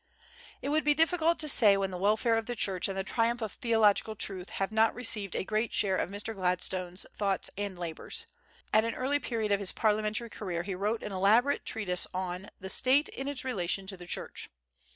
It would be difficult to say when the welfare of the Church and the triumph of theological truth have not received a great share of Mr. Gladstone's thoughts and labors. At an early period of his parliamentary career he wrote an elaborate treatise on the "State in its relation to the Church."